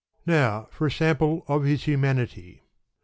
Now for a sample of his humanity.